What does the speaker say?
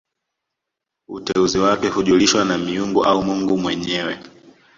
Uteuzi wake hujulishwa na miungu au mungu mwenyewe